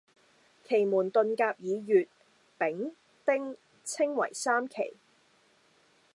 奇門遁甲以乙、丙、丁稱為三奇